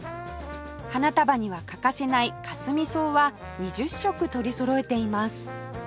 花束には欠かせないカスミソウは２０色取りそろえています